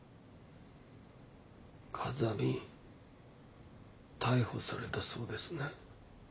風見逮捕されたそうですね。